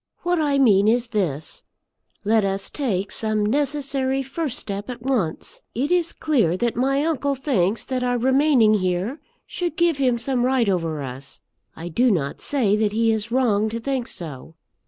What I mean is this, let us take some necessary first step at once. It is clear that my uncle thinks that our remaining here should give him some right over us. I do not say that he is wrong to think so.